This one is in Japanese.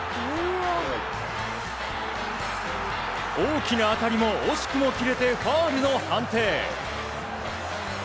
大きな当たりも惜しくも切れてファウルの判定。